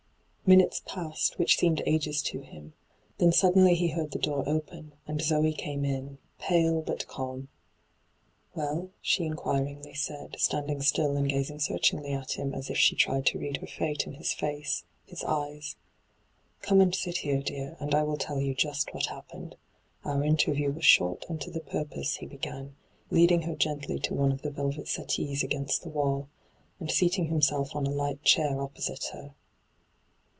Minutes passed which seemed ages to him. Then suddenly he heard the door open, and Zoe came in, pale but cahn. ' WeU V she inquiringly said, standing still and gazing searchingly at him as if she tried to read her fate in his &ce, his eyes. ' Come and sit here, dear, and I will tell you just what happened. Our interview was short and to the purpose,' he began, leading her gently to one of the velvet settees against the wall, and seating himself on a light chair opposite her.